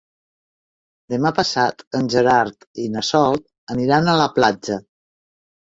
Demà passat en Gerard i na Sol aniran a la platja.